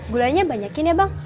gulanya banyakin ya bang